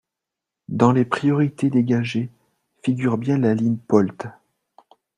Dans les priorités dégagées figure bien la ligne POLT.